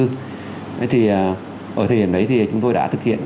ở thời điểm đấy chúng tôi đã thực hiện